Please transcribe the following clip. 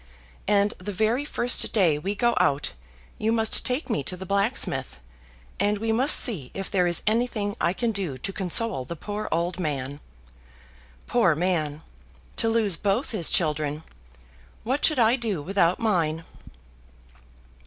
And the very first day we go out, you must take me to the blacksmith, and we must see if there is anything I can do to console the poor old man. Poor man! to lose both his children! What should I do without mine?"